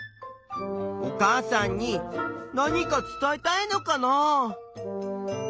お母さんに何か伝えたいのかな。